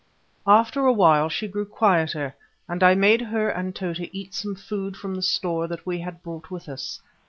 After a while she grew quieter, and I made her and Tota eat some food from the store that we had brought with us.